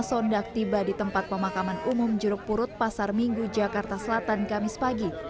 sondak tiba di tempat pemakaman umum jeruk purut pasar minggu jakarta selatan kamis pagi